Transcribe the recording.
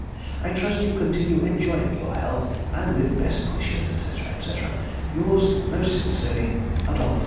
I trust you continue enjoying your health; and with best wishes, &c., &c., Yours most sincerely, ADOLPHUS.